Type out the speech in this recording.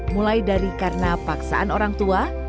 mulai dari karena paksaan orang tua